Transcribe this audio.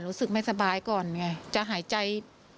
รู้สึกไม่สบายก่อนไงจะหายใจ